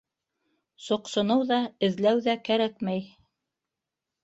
Соҡсоноу ҙа, эҙләү ҙә кәрәкмәй.